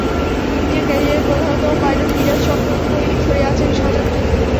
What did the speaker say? নিজের ক্যারিয়ারের প্রধানতম পাইলট মিরাজ শক্ত করেই ধরে আছেন, সজাগ চোখে।